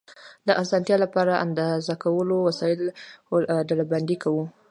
د اسانتیا لپاره د اندازه کولو وسایل ډلبندي کوو.